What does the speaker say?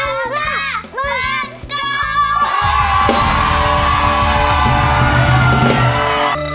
สร้างสร้างสร้างกล้อง